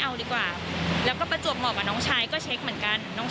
เอาดีกว่าแล้วก็ประจวบเหมาะกับน้องชายก็เช็คเหมือนกันน้อง